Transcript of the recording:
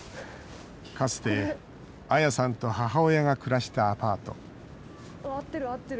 かつて、アヤさんと母親が暮らしたアパート。